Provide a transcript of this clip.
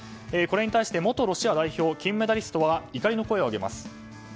これに対して元ロシア代表の金メダリストは怒りの声をあげます。